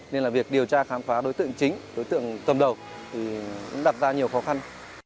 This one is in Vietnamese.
nên là việc điều tra khám phá đối tượng chính đối tượng cầm đầu thì cũng đặt ra nhiều khó khăn